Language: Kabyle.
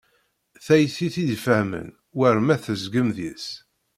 Tayet i t-id-ifahmen war ma tegzem deg-s.